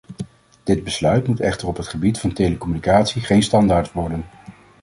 Dit besluit moet echter op het gebied van telecommunicatie geen standaard worden.